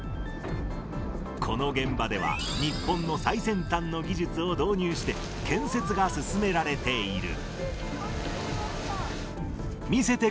この現場では、日本の最先端の技術を導入して、建設が進められている。